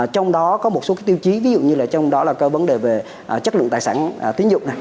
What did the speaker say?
trong đó có một số tiêu chí ví dụ như trong đó là câu vấn đề về chất lượng tài sản tín dụng